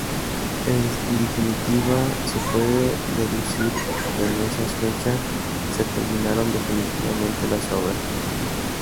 En definitiva, se puede deducir que en esas fechas se terminaron definitivamente las obras.